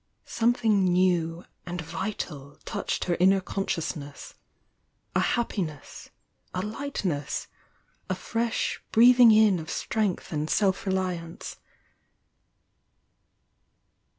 Something new and vital touched her inner consciousness, — a happiness, a lightness, v, fresh breathing in of strength and self reliance.